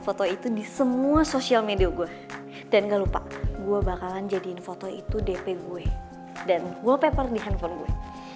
foto itu di semua sosial media gua dan gak lupa gua bakalan jadiin foto itu dp gue dan wallpaper di handphone gue